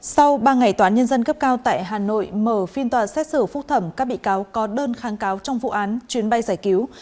sau ba ngày tòa án nhân dân cấp cao tại hà nội mở phiên tòa xét xử phúc thẩm các bị cáo có đơn kháng cáo trong vụ án chuyến bay giải cứu